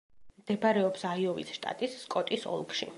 მდებარეობს აიოვის შტატის სკოტის ოლქში.